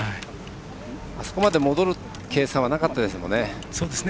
あそこまで戻る計算はなかったですもんね。